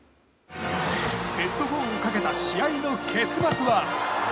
ベスト４をかけた試合の結末は？